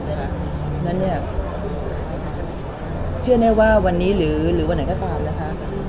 เพราะฉะนั้นเนี่ยเชื่อแน่ว่าวันนี้หรือวันไหนก็ตามนะคะ